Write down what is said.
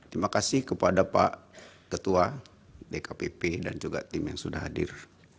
terima kasih kepada pak ketua dkpp dan juga tim yang sudah hadir